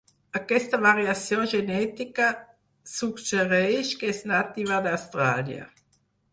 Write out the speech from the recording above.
Aquesta variació genètica suggereix que és nativa d'Austràlia.